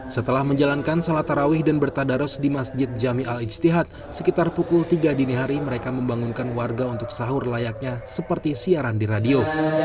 setelah menjalankan salat tarawih dan bertadaros di masjid jami al ijtihad sekitar pukul tiga dini hari mereka membangunkan warga untuk sahur layaknya seperti siaran di radio